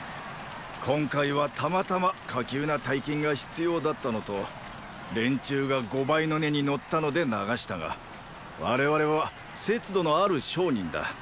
今回はたまたま火急な大金が必要だったのと連中が五倍の値に乗ったので流したが我々は節度のある商人だ。